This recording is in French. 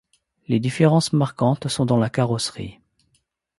Les différences marquantes sont dans la carrosserie.